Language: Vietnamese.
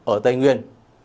ở tây nguyên